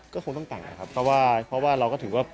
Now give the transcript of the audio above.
ก็คงต้องแต่งนะครับเพราะว่าเราก็ถึงว่า